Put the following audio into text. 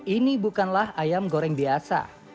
ini bukanlah ayam goreng biasa